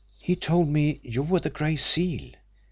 He told me you were the Gray Seal.